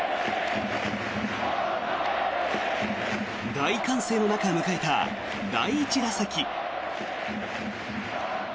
大歓声の中迎えた第１打席。